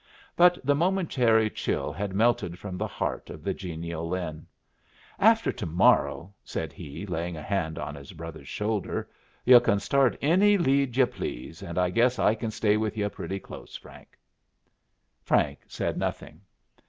But the momentary chill had melted from the heart of the genial Lin. "After to morrow," said he, laying a hand on his brother's shoulder, "yu' can start any lead yu' please, and I guess I can stay with yu' pretty close, Frank." Frank said nothing.